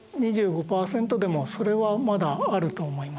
２５％でもそれはまだあると思います。